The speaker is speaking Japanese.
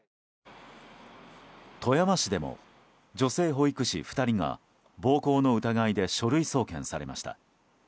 富山市でも女性保育士２人が暴行の疑いで書類送検されました。